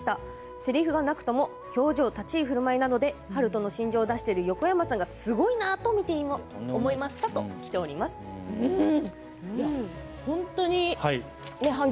せりふがなくとも表情、立ち居振る舞いなどで悠人の心情を出している横山さんがすごいなと反響